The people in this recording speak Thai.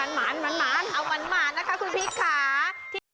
เอามันหมานเอามันหมานนะคะคุณพีชค่ะ